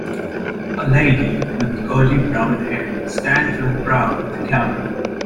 A lady with curly brown hair stands in a crowd with a camera.